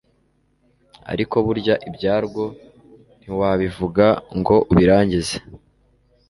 ariko burya ibyarwo ntiwabivuga ngo ubirangize.